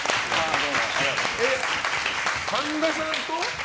神田さんと。